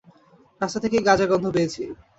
রাস্তা থেকেই গাজার গন্ধ পেয়েছি।